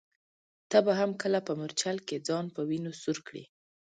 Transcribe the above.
ته به هم کله په مورچل کي ځان په وینو سور کړې ؟